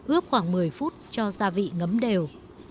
ướp khoảng một mươi phút cho gia vị ngấm đều